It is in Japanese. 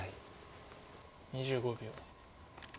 ２５秒。